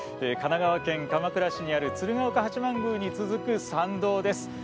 神奈川県鎌倉市にある鶴岡八幡宮に続く参道です。